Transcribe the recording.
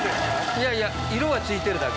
いやいや色がついてるだけ。